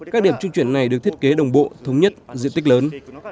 các điểm trung chuyển này được thiết kế đồng bộ thống nhất diện tích lớn